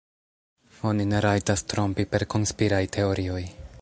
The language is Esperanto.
Oni ne rajtas trompi per konspiraj teorioj.